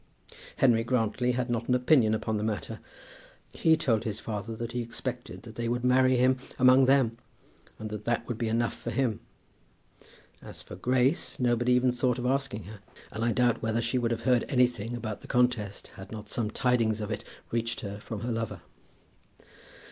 Henry Grantly had not an opinion upon the matter. He told his father that he expected that they would marry him among them, and that that would be enough for him. As for Grace, nobody even thought of asking her; and I doubt whether she would have heard anything about the contest, had not some tidings of it reached her from her lover.